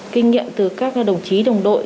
kinh nghiệm từ các đồng chí đồng đội